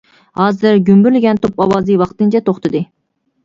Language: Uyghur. ھازىر، گۈمبۈرلىگەن توپ ئاۋازى ۋاقتىنچە توختىدى.